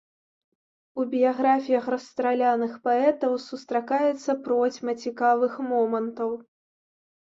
У біяграфіях расстраляных паэтаў сустракаецца процьма цікавых момантаў.